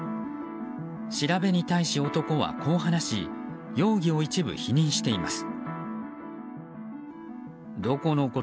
調べに対し、男はこう話し容疑を一部否認しています。